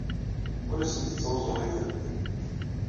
Ur asent-ttruẓuɣ ifadden.